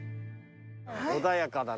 穏やかだね